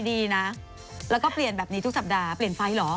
ดีนะแล้วก็เปลี่ยนแบบนี้ทุกสัปดาห์เปลี่ยนไฟเหรอ